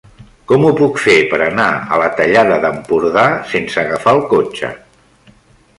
Com ho puc fer per anar a la Tallada d'Empordà sense agafar el cotxe?